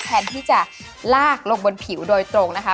แทนที่จะลากลงบนผิวโดยตรงนะคะ